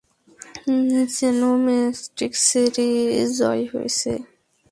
যেন ম্যাট্রিক্সেরই জয় হয়েছে।